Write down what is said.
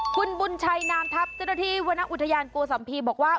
คุณบุญชัยนามทรัพย์เจ้าหน้าอุทยานโกสัมภีร์บอกว่า